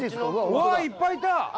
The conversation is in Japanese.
わあいっぱいいた！